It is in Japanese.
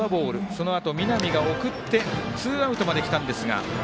そのあと、南が送ってツーアウトまできたんですが。